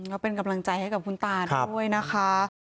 ก็เป็นกำลังใจให้กับคุณตาด้วยนะคะ